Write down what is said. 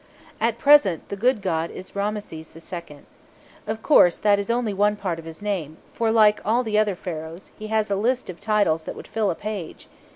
At present "the good god" is Ramses II. Of course, that is only one part of his name; for, like all the other Pharaohs, he has a list of titles that would fill a page.